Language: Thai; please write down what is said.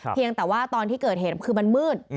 เพียงแต่ว่าตอนที่เกิดเหตุคือมันมืด